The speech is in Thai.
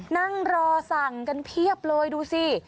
นั่งรอสั่งกันเพียบเลยดูสิ